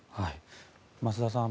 増田さん